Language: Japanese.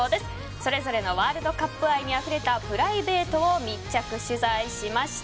それぞれのワールドカップ愛にあふれたプライベートを密着取材しました。